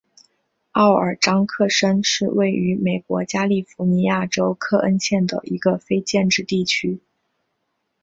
奥尔章克申是位于美国加利福尼亚州克恩县的一个非建制地区。